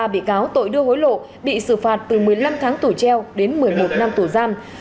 ba bị cáo tội đưa hối lộ bị xử phạt từ một mươi năm tháng tù treo đến một mươi một năm tù giam